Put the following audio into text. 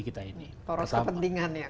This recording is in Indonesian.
kita ini poros kepentingan yang